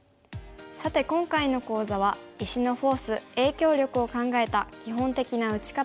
さて今回の講座は石のフォース影響力を考えた基本的な打ち方を学びました。